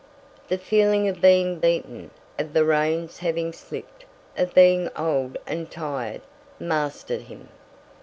The feeling of being beaten, of the reins having slipped, of being old and tired, mastered him.